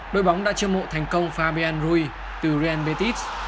đội bóng đã chiêu mộ thành công fabian rui từ real betis